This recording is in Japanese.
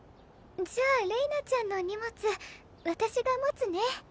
じゃあれいなちゃんの荷物私が持つね。